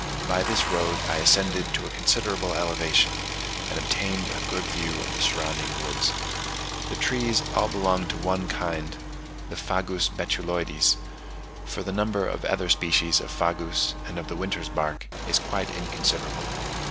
By this road I ascended to a considerable elevation, and obtained a good view of the surrounding woods. The trees all belong to one kind, the Fagus betuloides; for the number of the other species of Fagus and of the Winter's Bark, is quite inconsiderable.